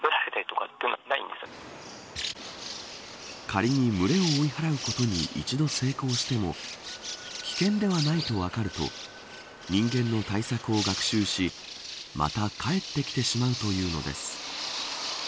仮に群れを追い払うことに一度、成功しても危険ではないと分かると人間の対策を学習しまた帰ってきてしまうというのです。